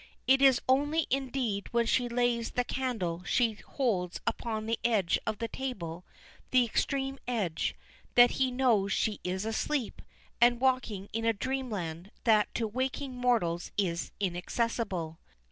It is only indeed when she lays the candle she holds upon the edge of the table, the extreme edge, that he knows she is asleep, and walking in a dreamland that to waking mortals is inaccessible.